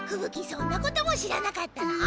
そんなことも知らなかったの？